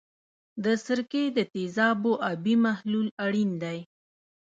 د سرکې د تیزابو آبي محلول اړین دی.